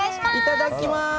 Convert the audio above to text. いただきます。